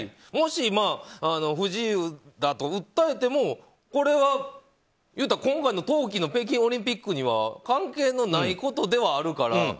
もし、不自由だと訴えてもこれは言うたら今回の冬季の北京オリンピックに関係のないことではあるから。